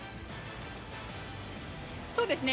そうですね。